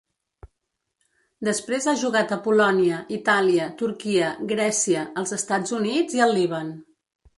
Després ha jugat a Polònia, Itàlia, Turquia, Grècia, els Estats Units i el Líban.